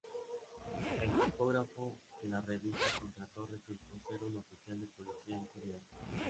El tipógrafo que la revista contrató resultó ser un oficial de policía encubierto.